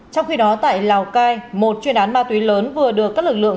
trong khi đó tại lào cai một chuyên án ma túy lớn vừa được các lực lượng